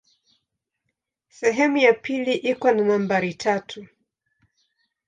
Sehemu ya pili iko na nambari tatu.